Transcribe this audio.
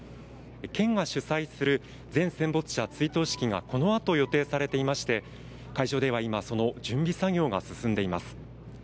県が主催する全戦没者追悼式がこのあと予定されていまして会場では今、その準備作業が進んでいます。